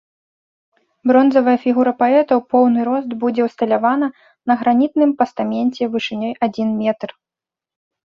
Бронзавая фігура паэта ў поўны рост будзе ўсталявана на гранітным пастаменце вышынёй адзін метр.